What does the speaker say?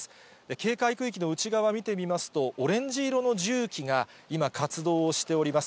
警戒区域の内側見てみますと、オレンジ色の重機が、今、活動をしております。